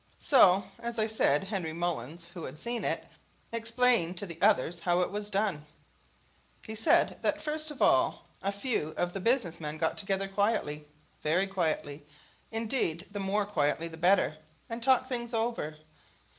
So, as I said, Henry Mullins, who had seen it, explained to the others how it was done. He said that first of all a few of the business men got together quietly, very quietly, indeed the more quietly the better, and talked things over.